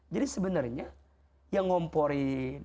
jadi sebenarnya yang ngomporin